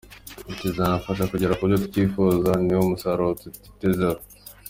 Kizanafasha kugera ku byo twifuza, ni wo musaruro tugitezeho.